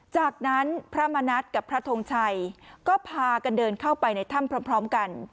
จากนั้นพระมณัฐกับพระทงชัยก็พากันเดินเข้าไปในถ้ำพร้อมกัน